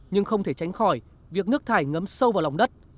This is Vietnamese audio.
nhưng không thể tránh khỏi việc nước thải ngấm sâu vào lòng đất